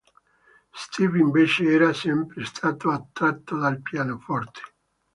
Steve invece era sempre stato attratto dal pianoforte.